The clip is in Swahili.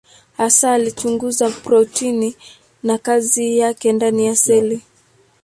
Hasa alichunguza protini na kazi yake ndani ya seli.